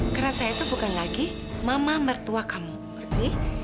karena saya itu bukan lagi mama mertua kamu ngerti